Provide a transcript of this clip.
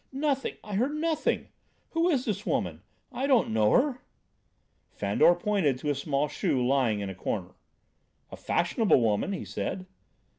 nothing! I heard nothing. Who is this woman? I don't know her!" Fandor pointed to a small shoe lying in a corner. "A fashionable woman," he said.